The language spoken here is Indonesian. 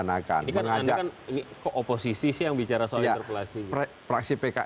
ini kan anda kan oposisi sih yang bicara soal interpelasi